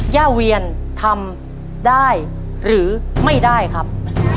ย่าเวียนทำได้หรือไม่ได้ครับ